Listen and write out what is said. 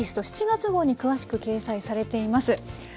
７月号に詳しく掲載されています。